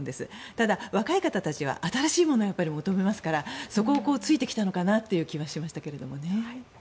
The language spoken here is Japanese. ただ、若い方たちは新しいものを求めますからそこを突いてきたのかなという気はしましたけれどもね。